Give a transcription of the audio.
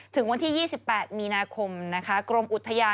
ถึงวันที่๒๘มีนาคมนะคะ